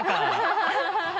ハハハ